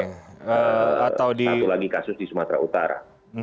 satu lagi kasus di sumatera utara